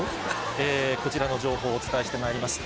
こちらの情報をお伝えしてまいります。